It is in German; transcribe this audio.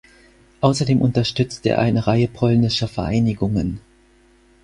Außerdem unterstützte er eine Reihe polnischer Vereinigungen.